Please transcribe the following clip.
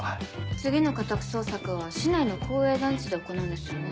次の家宅捜索は市内の公営団地で行うんですよね。